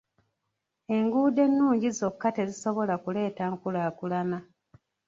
Enguudo ennungi zokka tezisobola kuleeta nkulaakulana.